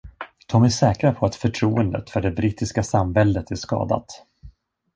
De är säkra på att förtroendet för den brittiska samväldet är skadat.